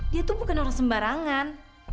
dia tuh bukan harus sembarangan